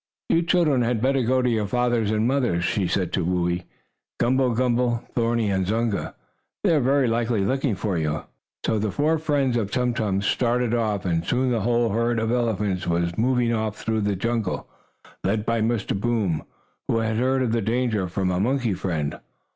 You children had better go to your fathers and mothers," she said to Whoo ee, Gumble umble, Thorny and Zunga. "They are, very likely, looking for you." So the four friends of Tum Tum started off, and soon the whole herd of elephants was moving off through the jungle, led by Mr. Boom, who had heard of the danger from a monkey friend.